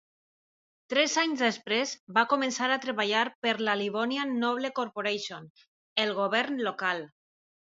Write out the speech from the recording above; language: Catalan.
Tres anys després va començar a treballar per la Livonian Noble Corporation, el govern local.